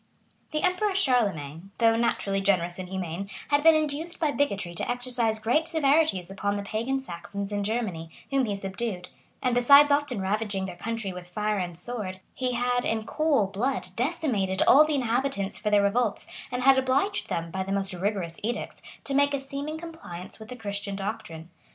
The emperor Charlemagne, though naturally generous and humane, had been induced by bigotry to exercise great severities upon the pagan Saxons in Germany, whom he subdued; and besides often ravaging their country with fire and sword, he had, in cool blood, decimated all the inhabitants for their revolts, and had obliged them, by the most rigorous edicts, to make a seeming compliance with the Christian doctrine.